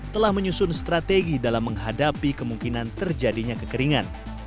telah menyusun strategi dalam menghadapi kemungkinan terjadinya kekeringan